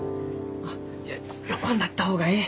あっいや横になった方がえい。